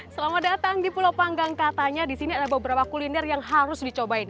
selamat datang di pulau panggang katanya di sini ada beberapa kuliner yang harus dicobain